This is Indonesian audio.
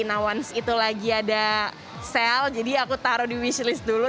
now once itu lagi ada sale jadi aku taruh di wishlist dulu